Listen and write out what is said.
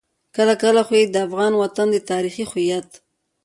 کله کله خو يې د افغان وطن د تاريخي هويت.